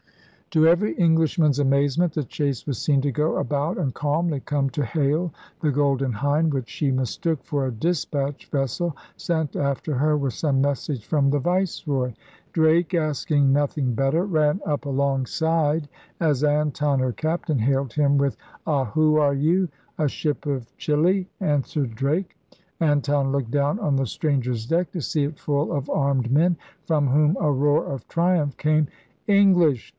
To every Englishman's amazement the chase was seen to go about and calmly come to hail the Golden Hind, which she mistook for a despatch vessel sent after her with some message from the Viceroy! Drake, asking nothing better, ran up alongside as Anton her captain hailed him with a Who are you? A ship of Chili! answered Drake. Anton looked down on the stranger's deck to see it full of armed men from whom a roar of triumph came. English!